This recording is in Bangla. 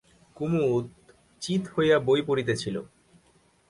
কুমুদ চিত হইয়া বই পড়িতেছিল।